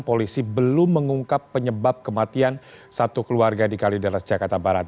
polisi belum mengungkap penyebab kematian satu keluarga di kalideras jakarta barat